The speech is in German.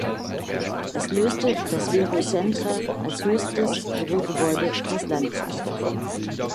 Es löste das Vero Centre als höchstes Bürogebäude des Landes ab.